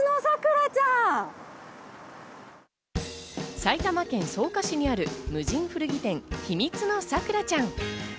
埼玉県草加市にある無人古着店、秘密のさくらちゃん。